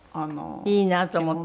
いいなと思って。